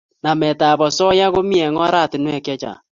Nametab osoya komi eng oratinwek chechang